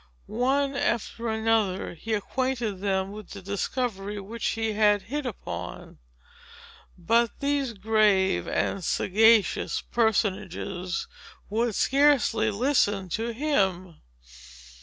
One after another, he acquainted them with the discovery which he had hit upon. But these grave and sagacious personages would scarcely listen to him.